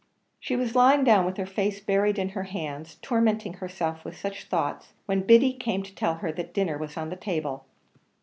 She was lying down with her face buried in her hands, tormenting herself with such thoughts, when Biddy came to tell her that dinner was on the table.